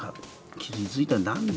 気付いたら。